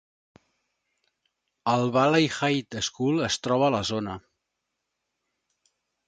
El Valley High School es troba a la zona.